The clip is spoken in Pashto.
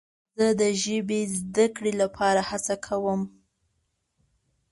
زه د ژبې زده کړې لپاره هڅه کوم.